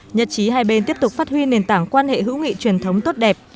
nhật chí hai bên tiếp tục phát huy nền tảng quan hệ hữu nghị truyền thống tốt đẹp